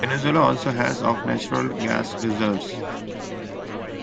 Venezuela also has of natural gas reserves.